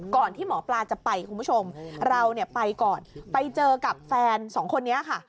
ที่หมอปลาจะไปคุณผู้ชมเราเนี่ยไปก่อนไปเจอกับแฟนสองคนนี้ค่ะ